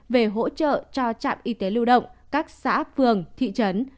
về hỗ trợ cho trạm y tế lưu động các xã phường thị trấn